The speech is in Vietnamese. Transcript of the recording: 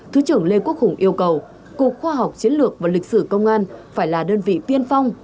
thứ trưởng lê quốc hùng yêu cầu cục khoa học chiến lược và lịch sử công an phải là đơn vị tiên phong